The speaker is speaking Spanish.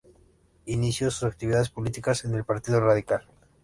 Inició sus actividades políticas en el Partido Radical.